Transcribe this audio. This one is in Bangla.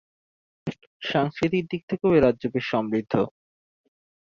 সাংস্কৃতিক দিক থেকেও এই রাজ্য বেশ সমৃদ্ধ।